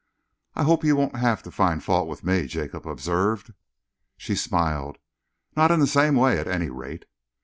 "I hope you won't have to find fault with me," Jacob observed. She smiled. "Not in the same way, at any rate."